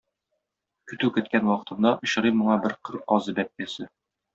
Көтү көткән вакытында очрый моңа бер кыр казы бәбкәсе.